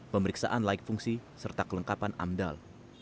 pemeriksaan laik fungsi serta kelengkapan amdal